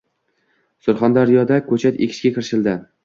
Surxondaryoda ko‘chat ekishga kirishildi